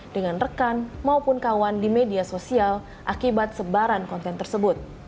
dengan rekan maupun kawan di media sosial akibat sebaran konten tersebut